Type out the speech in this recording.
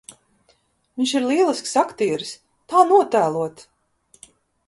Viņš ir lielisks aktieris! Tā notēlot !